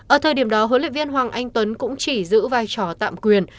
ở thời điểm đó huấn luyện viên hoàng anh tuấn cũng chỉ giữ vai trò tạm quyền